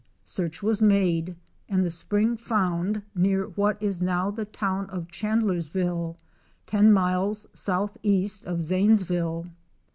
Search was made and the spring found near what is now the town of Chandlersville, ten miles southeast of Zanesville.